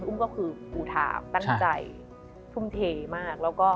อุ้มคือปู่ถาบตั้งใจท่วมเทมาก